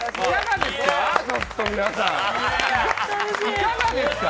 いかがですか？